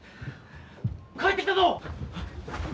帰ってきたぞ！